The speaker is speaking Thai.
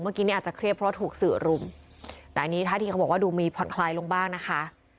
เมื่อกี้นี่อาจจะเครียดเพราะว่าถูกสื่อรุมแต่อันนี้ท่าที่เขาบอกว่าดูมีผ่อนคลายลงบ้างนะคะ